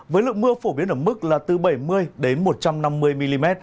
với lượng mưa phổ biến ở mức là từ bảy mươi đến một trăm năm mươi mm